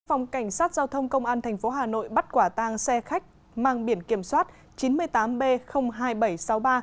phòng cảnh sát giao thông công an tp hà nội bắt quả tang xe khách mang biển kiểm soát chín mươi tám b hai nghìn bảy trăm sáu mươi ba